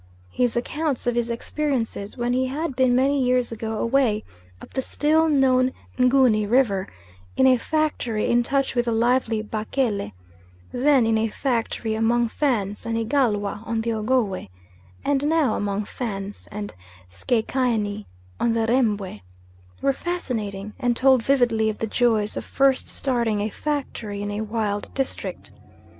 His accounts of his experiences when he had been many years ago away up the still little known Nguni River, in a factory in touch with the lively Bakele, then in a factory among Fans and Igalwa on the Ogowe, and now among Fans and Skekiani on the Rembwe, were fascinating, and told vividly of the joys of first starting a factory in a wild district.